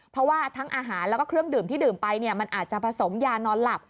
เพราะว่าทั้งอาหารแล้วก็เครื่องดื่มที่ดื่มไปเนี่ยมันอาจจะผสมยานอนหลับ